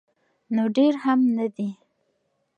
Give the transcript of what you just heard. نو ډیر هم نه دي.